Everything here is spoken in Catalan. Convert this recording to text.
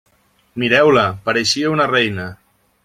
Mireu-la; pareixia una reina.